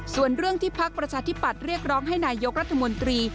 ส่วนเรื่องที่พักประชาธิปัตย์เรียกร้องให้นายกรัฐมนตรี